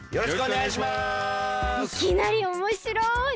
いきなりおもしろい！